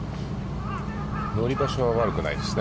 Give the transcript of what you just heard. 乗り場所は悪くないですよね。